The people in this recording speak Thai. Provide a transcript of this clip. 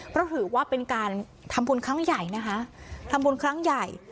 เพราะถือว่าเป็นการทำบุญครั้งใหญ่นะคะทำบุญครั้งใหญ่